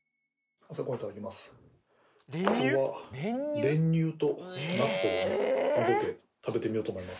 今日は練乳と納豆を混ぜて食べてみようと思います